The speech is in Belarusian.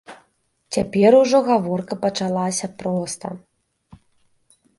Цяпер ужо гаворка пачалася проста.